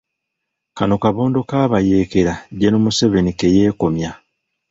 Kano kabondo k'abayeekera General Museveni ke yeekomya.